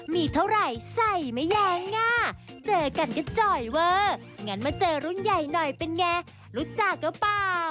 พี่มอสเมียวเงาอะคะ